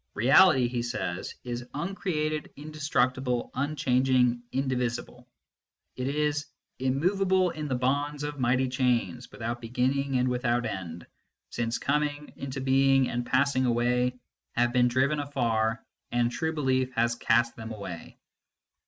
Reality, he says, is uncreated, indestructible, unchanging, indivisible ; it is " immovable in the bonds of mighty chains, without beginning and without end ; since coming into being and passing away have been driven afar, and true belief has cast them away."